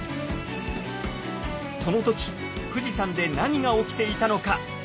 その時富士山で何が起きていたのか？